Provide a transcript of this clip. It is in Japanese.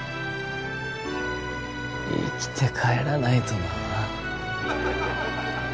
生きて帰らないとな。